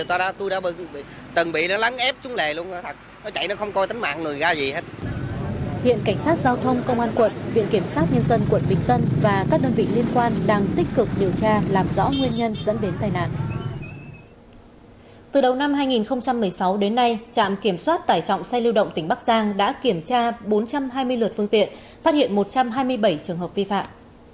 từ đầu năm hai nghìn một mươi sáu đến nay trạm kiểm soát tải trọng xe lưu động tỉnh bắc giang đã kiểm tra bốn trăm hai mươi lượt phương tiện phát hiện một trăm hai mươi bảy trường hợp vi phạm